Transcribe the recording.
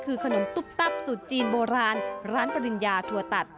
คือขนมตุ๊บตับสูตรจีนโบราณร้านปริญญาถั่วตัด